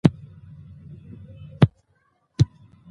کابل د افغان ښځو په ژوند کې رول لري.